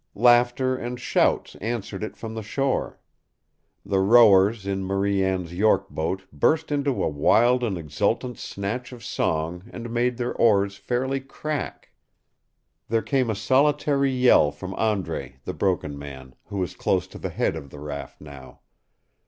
Laughter and shouts answered it from the shore. The rowers in Marie Anne's York boat burst into a wild and exultant snatch of song and made their oars fairly crack. There came a solitary yell from Andre, the Broken Man, who was close to the head of the raft now.